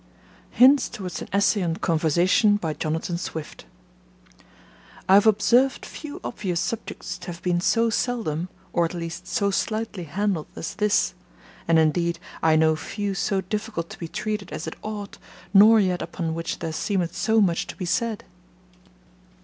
1909–14. Hints Towards an Essay on Conversation Jonathan Swift I HAVE observed few obvious subjects to have been so seldom, or, at least, so slightly handled as this; and, indeed, I know few so difficult to be treated as it ought, nor yet upon which there seemeth so much to be said.